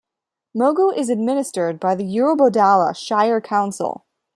Mogo is administered by the Eurobodalla Shire council.